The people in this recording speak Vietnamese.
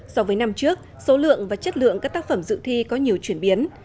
so với năm trước số lượng và chất lượng các tác phẩm dự thi có nhiều chuyển biến